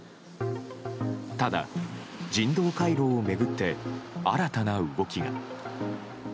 ただ、人道回廊を巡って新たな動きが。